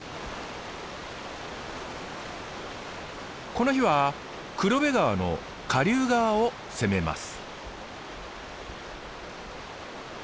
この日は黒部川の下流側を攻めます。